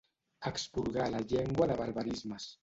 Expurgar la llengua de barbarismes.